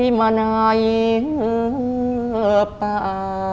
ที่มานายหรือเปล่า